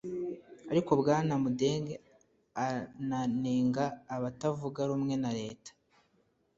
Ariko Bwana Mudge ananenga abatavuga rumwe na leta